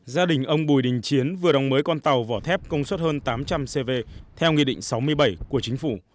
gia đình ông bùi đình chiến vừa đóng mới con tàu vỏ thép công suất hơn tám trăm linh cv theo nghị định sáu mươi bảy của chính phủ